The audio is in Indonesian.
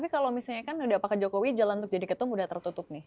kalau pak jokowi jalan untuk jadi ketua sudah tertutup nih